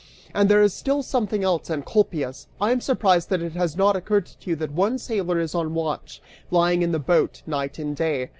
And there is still something else, Encolpius. I am surprised that it has not occurred to you that one sailor is on watch, lying in the boat, night and day.